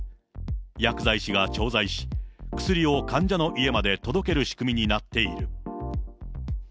薬剤師が調剤し、薬を患者の家まで届ける仕組みになっている。